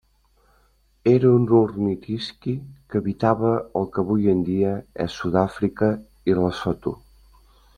Era un ornitisqui que habitava al que avui en dia és Sud-àfrica i Lesotho.